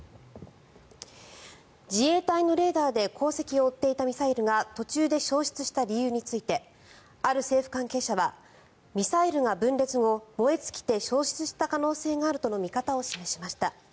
自衛隊のレーダーで航跡を追っていたミサイルが途中で消失した理由についてある政府関係者はミサイルが分裂後、燃え尽きて消失した可能性があるとの見方を示しました。